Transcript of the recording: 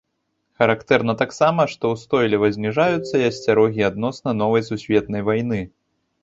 Характэрна таксама, што устойліва зніжаюцца і асцярогі адносна новай сусветнай вайны.